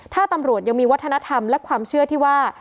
ถ้าตำรวจยังมีวัฒนธรรมและความเชื่อที่ว่า